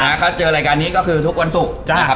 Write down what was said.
จะเห็นรายการนี้ก็คือทุกวันศุกร์